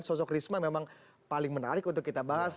sosok risma memang paling menarik untuk kita bahas